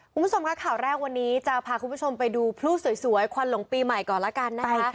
คุณผู้ชมค่ะข่าวแรกวันนี้จะพาคุณผู้ชมไปดูพลูสวยควันหลงปีใหม่ก่อนแล้วกันนะคะ